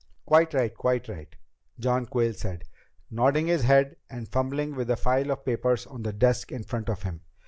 "Quite right! Quite right!" John Quayle said, nodding his head and fumbling with a file of papers on the desk in front of him.